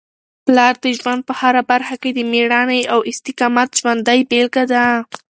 پلار د ژوند په هره برخه کي د مېړانې او استقامت ژوندۍ بېلګه ده.